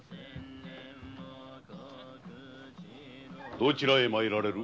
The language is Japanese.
どちらへ参られる？